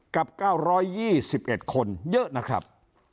๑๕๐๐๐๐๐กับ๙๒๑คนเยอะนะครับ